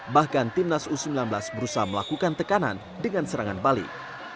bahkan timnas u sembilan belas berusaha melakukan tekanan dengan serangan balik